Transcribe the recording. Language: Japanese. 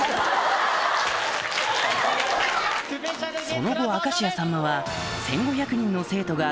その後明石家さんまは